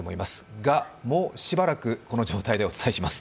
が、もうしばらくこの状態でお伝えします。